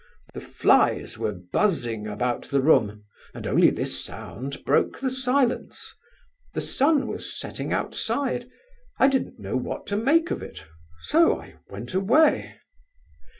The flies were buzzing about the room and only this sound broke the silence; the sun was setting outside; I didn't know what to make of it, so I went away.